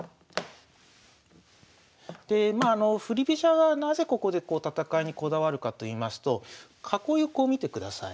でまあ振り飛車がなぜここで戦いにこだわるかと言いますと囲いをこう見てください。